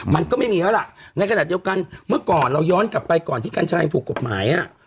มันก็ไม่มีแล้วล่ะในขณะเดียวกันเมื่อก่อนเราย้อนกลับไปก่อนที่กัญชัยถูกกฎหมาย